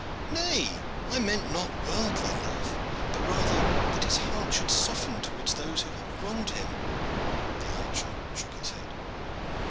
"Nay, I meant not worldly love, but rather that his heart should soften towards those who have wronged him." The archer shook his head.